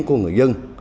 của người dân